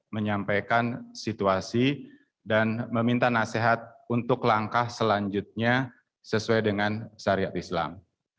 menyampaikan situasi dan meminta nasihat untuk langkah selanjutnya sesuai dengan syariat islam